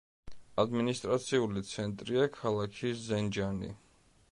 ადმინისტრაციული ცენტრია ქალაქი ზენჯანი.